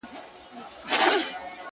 او پای يې خلاص پاته کيږي,